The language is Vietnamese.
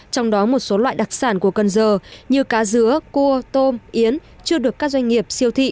trong đó một số loại đặc sản của cần giờ như cá dứa cua tôm yến chưa được các doanh nghiệp siêu thị